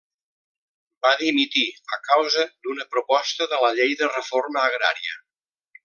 Va dimitir a causa d'una proposta de la Llei de Reforma Agrària.